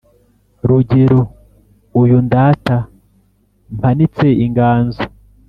Rugero uyu ndaata mpanitse inganzo